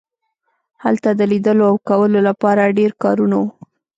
هلته د لیدلو او کولو لپاره ډیر کارونه وو